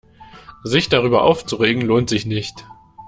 Sich darüber aufzuregen, lohnt sich nicht.